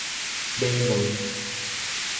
馬卵